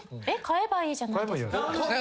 買えばいいじゃないですか。